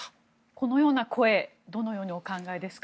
このような声どのようにお考えですか？